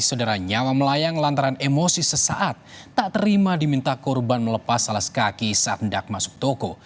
saudara nyawa melayang lantaran emosi sesaat tak terima diminta korban melepas alas kaki saat hendak masuk toko